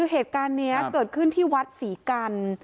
เหตุการณ์นี้เกิดขึ้นที่วัดศรีกัน